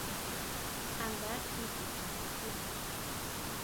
¿A nda kjí kicha nduju?